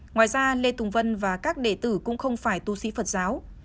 ngoài ra lê tùng vân và các đệ tử cũng không phải tu sĩ phật giáo